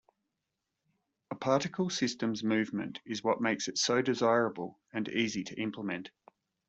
A particle system's movement is what makes it so desirable and easy to implement.